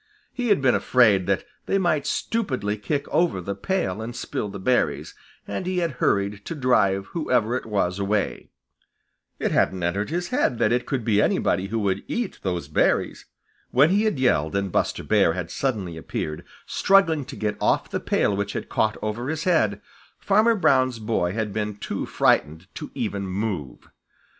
He had been afraid that they might stupidly kick over the pail and spill the berries, and he had hurried to drive whoever it was away. It hadn't entered his head that it could be anybody who would eat those berries. When he had yelled and Buster Bear had suddenly appeared, struggling to get off the pail which had caught over his head, Farmer Brown's boy had been too frightened to even move.